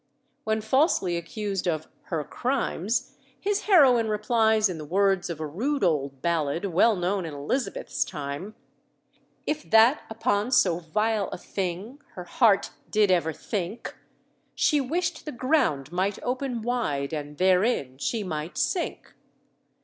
When falsely accused of her crimes, his heroine replies in the words of a rude old ballad well known in Elizabeth's time "If that upon so vile a thing Her heart did ever think, She wished the ground might open wide, And therein she might sink.